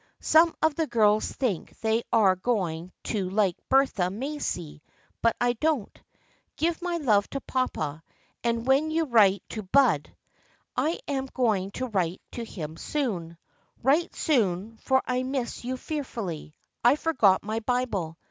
Some of the girls think they are going to like Bertha Macy but I don't. Give my love to papa, and when you write to Bud. I am going to write to him soon. Write soon for I miss you fearfully. I forgot my Bible.